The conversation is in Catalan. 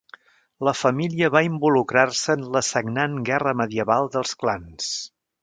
La família va involucrar-se en la sagnant Guerra medieval dels Clans.